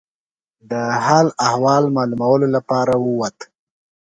د حال احوال معلومولو لپاره ووت.